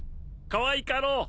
かわいかろう？